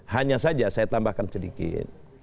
hanya saja saya tambahkan sedikit